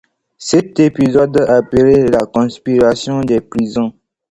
Cet épisode est appelé la Conspiration des prisons.